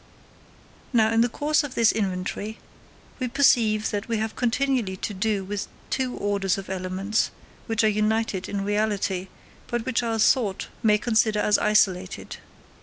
Now, in the course of this inventory, we perceive that we have continually to do with two orders of elements, which are united in reality, but which our thought may consider as isolated.